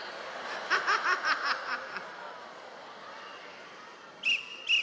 ハハハハハハッ！